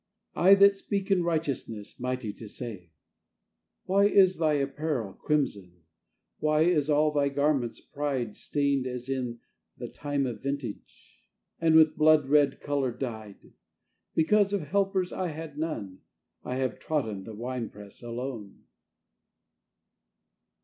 I that speak in righteousness, mighty to save. Why is thy apparel crimson, Why is all thy garments' prideStained as in the time of vintageAnd with blood red color dyed? Because of helpers I had none—I have trodden the wine press alone.